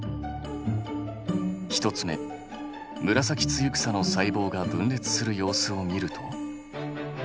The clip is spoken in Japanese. １つ目ムラサキツユクサの細胞が分裂する様子を見ると。